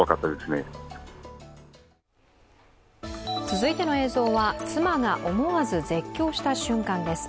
続いての映像は、妻が思わず絶叫した瞬間です。